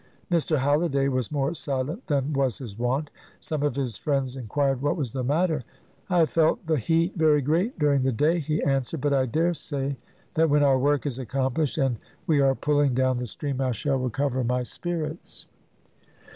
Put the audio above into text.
Mr Halliday was more silent than was his wont. Some of his friends inquired what was the matter. "I have felt the heat very great during the day," he answered; "but I dare say that when our work is accomplished, and we are pulling down the stream, I shall recover my spirits."